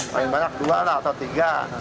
paling banyak dua lah atau tiga